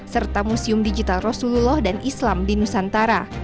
serta museum digital rasulullah dan islam di nusantara